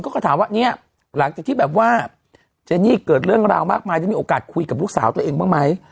เขาก็ถามว่าเนี่ยหลังจากที่แบบว่าเจนี่เกิดเรื่องราวมากมายได้มีโอกาสคุยกับลูกสาวตัวเองบ้างไหม